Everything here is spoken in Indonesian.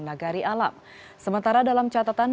nagari alam sementara dalam catatan